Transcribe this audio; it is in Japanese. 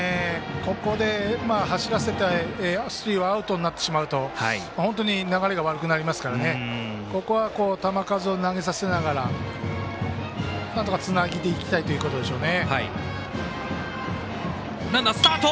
ここで走らせてアウトになってしまうと本当に流れが悪くなってしまいますからここは球数を投げさせながらなんとかつないでいきたいというところでしょう。